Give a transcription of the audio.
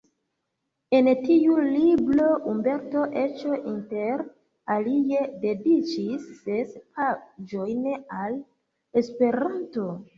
En tiu libro Umberto Eco inter alie dediĉis ses paĝojn al Esperanto.